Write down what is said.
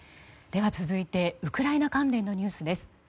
では、続いてウクライナ関連のニュースです。